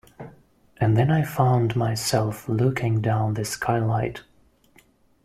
And then I found myself looking down the skylight.